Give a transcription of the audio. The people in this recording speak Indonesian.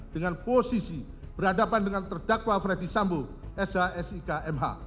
dengan posisi berhadapan dengan terdakwa freddy sambu sh sik mh